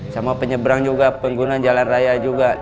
sama penyeberang juga pengguna jalan raya juga